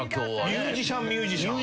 ミュージシャンミュージシャン。